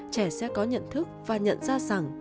trẻ sẽ có nhận thức và nhận ra rằng